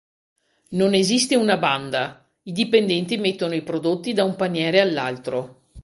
Non esiste una banda: i dipendenti mettono i prodotti da un paniere all'altro.